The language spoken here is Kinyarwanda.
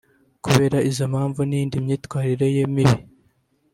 Kubera izo mpamvu n’iyindi myitwarire ye mibi